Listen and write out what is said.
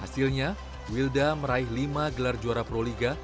hasilnya wilda meraih lima gelar juara proliga